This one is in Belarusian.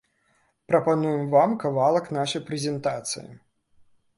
Прапануем вам кавалак нашай прэзентацыі.